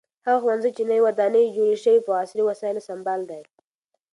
هغه ښوونځی چې نوې ودانۍ یې جوړه شوې په عصري وسایلو سمبال دی.